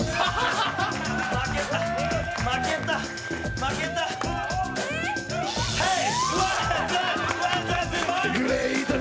負けた、負けた、負けた、ヘイ！